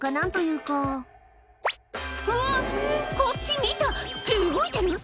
うわっ、こっち見た。って動いてる？